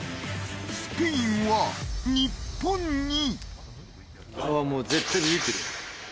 スペインは日本に。